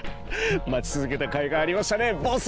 待ちつづけたかいがありましたねボス！